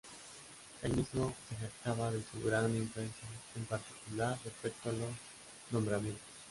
Él mismo se jactaba de su gran influencia, en particular respecto a los nombramientos.